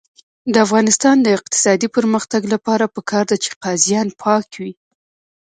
د افغانستان د اقتصادي پرمختګ لپاره پکار ده چې قاضیان پاک وي.